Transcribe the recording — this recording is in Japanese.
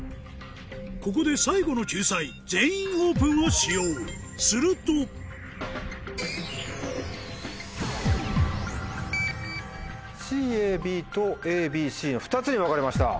ここで最後の救済「全員オープン」を使用すると「ＣＡＢ」と「ＡＢＣ」の２つに分かれました。